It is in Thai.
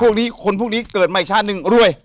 พวกนี้คนพวกนี้เกิดมาอีกชาติหนึ่งรวย